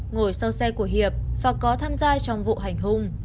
ngồi sau xe của hiệp và có tham gia trong vụ hành hung